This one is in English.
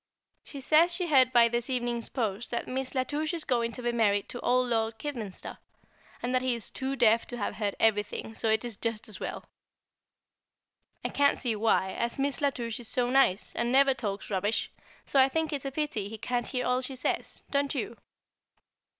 She says she heard by this evening's post that Miss La Touche is going to be married to old Lord Kidminster, and that he is "too deaf to have heard everything, so it is just as well." I can't see why, as Miss La Touche is so nice, and never talks rubbish; so I think it a pity he can't hear all she says, don't you?